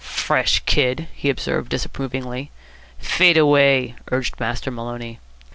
"Fresh kid!" he observed disapprovingly. "Fade away," urged Master Maloney.